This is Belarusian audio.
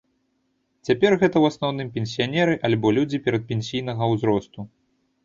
Цяпер гэта ў асноўным пенсіянеры альбо людзі перадпенсійнага ўзросту.